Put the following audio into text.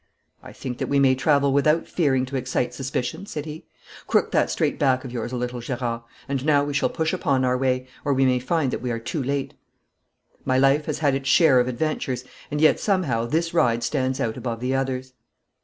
'I think that we may travel without fearing to excite suspicion,' said he. 'Crook that straight back of yours a little, Gerard! And now we shall push upon our way, or we may find that we are too late.' My life has had its share of adventures, and yet, somehow, this ride stands out above the others.